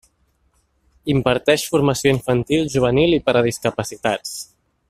Imparteix formació infantil, juvenil i per a discapacitats.